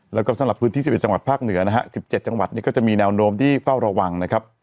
และสำหรับพื้นที่๑๑จังหวัดภาคเหนือ๑๗จังหวัดก็จะมีแนวโน้มเกี่ยวบากว่าง